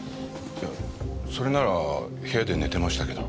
それなら部屋で寝てましたけど。